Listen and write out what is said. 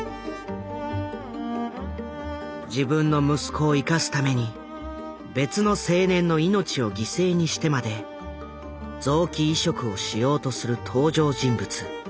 自分の息子を生かすために別の青年の命を犠牲にしてまで臓器移植をしようとする登場人物。